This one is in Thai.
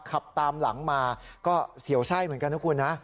ขับตามหลังมาก็เสียวไส้เหมือนกันนะคุณนะ